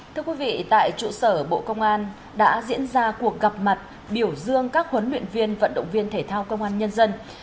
thưa quý vị tại trụ sở bộ công an đã diễn ra cuộc gặp mặt biểu dương các huấn luyện viên vận động viên thể thao công an nhân dân